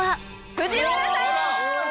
藤原さん！